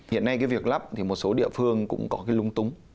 hiện nay cái việc lắp thì một số địa phương cũng có cái lung túng